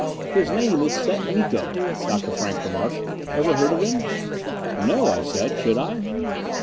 "His name is Set Miko," Dr. Frank remarked. "Ever heard of him?" "No," I said. "Should I?"